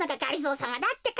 さまだってか。